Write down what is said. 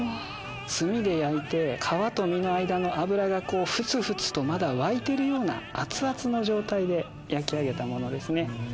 炭で焼いて皮と身の間の脂がふつふつとまだ沸いてるような熱々の状態で焼き上げたものですね。